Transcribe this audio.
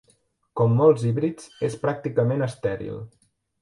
Com molts híbrids és pràcticament estèril.